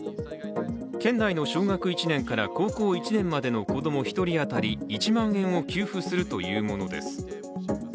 県内の小学１年から高校１年までの子供１人当たり１万円を給付するというものです